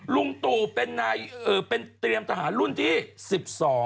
ลุงตู่เป็นเตียมทหารรุ่นที่สิบสอง